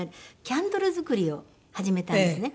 キャンドル作りを始めたんですね。